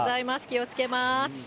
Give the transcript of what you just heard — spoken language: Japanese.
気をつけます。